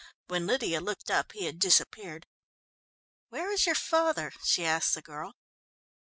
When Lydia looked up he had disappeared. "Where is your father?" she asked the girl.